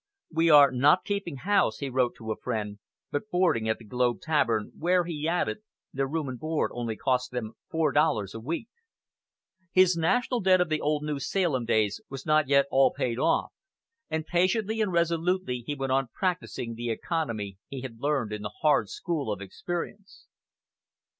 "We are not keeping house," he wrote to a friend, "but boarding at the Globe Tavern," where, he added, their room and board only cost them four dollars a week. His "National Debt" of the old New Salem days was not yet all paid off, and patiently and resolutely he went on practising the economy he had learned in the hard school of experience.